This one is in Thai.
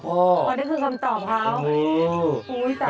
พอดีคือคำตอบครับพ่อโอ้โหฮู้จ๊ะ